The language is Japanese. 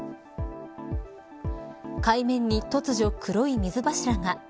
海面に突如、黒い水柱が。